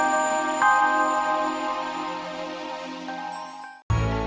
nah ntar lo abis nganter pak sofyan